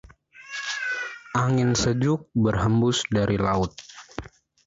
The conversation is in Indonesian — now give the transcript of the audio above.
Angin sejuk berhembus dari laut.